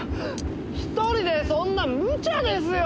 一人でそんな無茶ですよ！